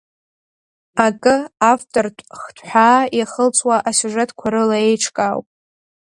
Акы, автортә хҭҳәаа иахылҵуа асиужетқәа рыла еиҿкаау.